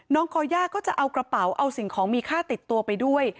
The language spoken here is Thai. ก่อย่าก็จะเอากระเป๋าเอาสิ่งของมีค่าติดตัวไปด้วย